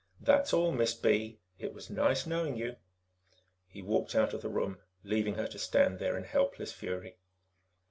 That's all, Miss B.; it was nice knowing you." He walked out of the room, leaving her to stand there in helpless fury.